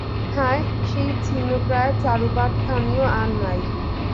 হায়, সেই ছিন্নপ্রায় চারুপাঠখানিও আর নাই।